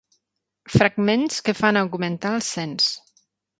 Fragments que fan augmentar el cens.